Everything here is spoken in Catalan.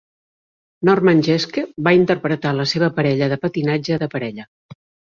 Norman Jeschke va interpretar la seva parella de patinatge de parella.